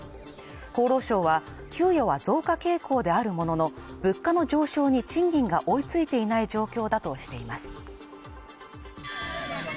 厚労省は給与は増加傾向であるものの物価の上昇に賃金が追いついていない状況だとしています